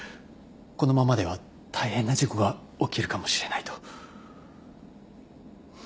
このままでは大変な事故が起きるかもしれないと。